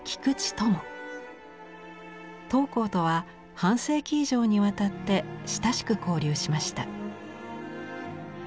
桃紅とは半世紀以上にわたって親しく交流しました。